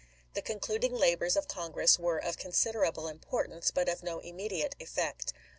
The concluding labors of Congress were of considerable importance, but of no immediate effect.